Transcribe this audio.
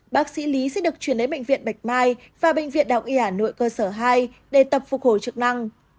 bác sĩ lý sẽ được chuyển đến bệnh viện bạch mai và bệnh viện đạo y hà nội cơ sở hai để tập phục hồi chức năng